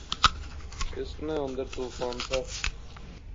اس نے اندر طوفان سا